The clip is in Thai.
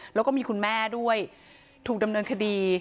แล้วก็มีคุณแม่ด้วยถูกดำเนินคดี